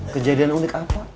kejadian unik apa